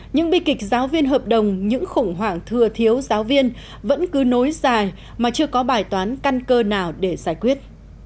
những bi kịch giáo viên hợp đồng những khủng hoảng thừa thiếu giáo viên vẫn cứ nối dài mà chưa có bài toán căn cơ nào để giải quyết